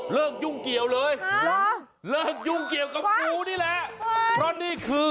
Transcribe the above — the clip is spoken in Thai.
ยุ่งเกี่ยวเลยเลิกยุ่งเกี่ยวกับครูนี่แหละเพราะนี่คือ